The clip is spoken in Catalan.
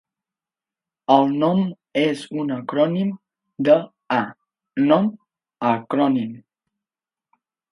El nom és un acrònim de "A Non Acronym".